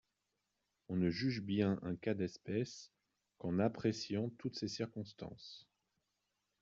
On ne juge bien un cas d’espèce qu’en appréciant toutes ses circonstances.